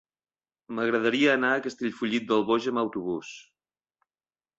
M'agradaria anar a Castellfollit del Boix amb autobús.